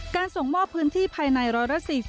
การส่งมอบพื้นที่ภายในร้อยละ๔๐